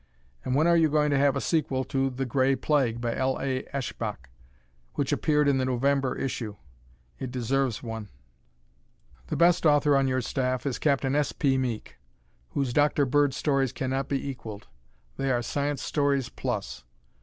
And when are you going to have a sequel to "The Gray Plague," by L. A. Eshbach which appeared in the November issue? It deserves one. The best author on your staff is Captain S. P. Meek, whose Dr. Bird stories cannot be equalled. They are science stories plus.